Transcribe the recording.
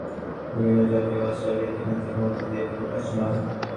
ধর্ম অন্তরের অভিব্যক্তি এবং ইহা বিভিন্ন জাতি, ভাষা ও রীতি-নীতির মধ্য দিয়া প্রকাশমান।